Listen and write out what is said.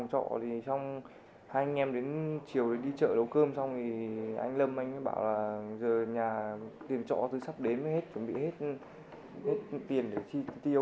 giờ nhà tiền trọ từ sắp đến mới chuẩn bị hết tiền để chi tiêu